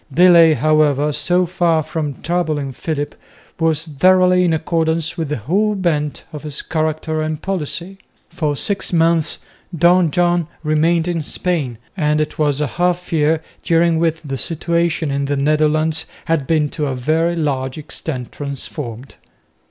Delay, however, so far from troubling Philip, was thoroughly in accordance with the whole bent of his character and policy. For six months Don John remained in Spain, and it was a half year during which the situation in the Netherlands had been to a very large extent transformed.